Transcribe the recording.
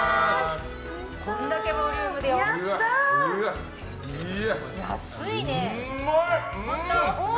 こんだけボリュームで安いね。